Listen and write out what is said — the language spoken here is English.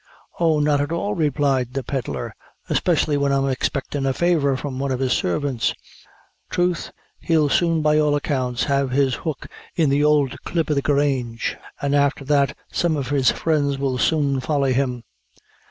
"Oh, not at all," replied the pedlar, "especially when I'm expectin' a favor from one of his sarvints. Throth he'll soon by all accounts have his hook in the ould Clip o' the! Grange an' afther that some of his friends will soon folly him.